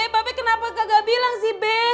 babe kenapa kagak bilang sih be